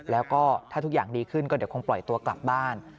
แล้วก็ถ้าทุกอย่างดีขึ้นก็เดี๋ยวคงปล่อยตัวกลับบ้าน